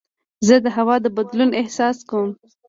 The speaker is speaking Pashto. زه د هوا د بدلون احساس کوم.